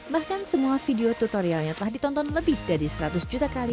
bahkan semua video tutorialnya telah ditonton lebih dari seratus juta kali